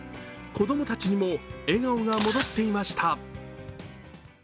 子供たちにも笑顔が戻っていました。